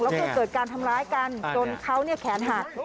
แล้วก็เกิดการทำร้ายกันจนเขาแขนหัก